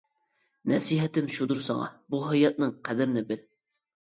نەسىھەتىم شۇدۇر ساڭا، بۇ ھاياتنىڭ قەدرىنى بىل.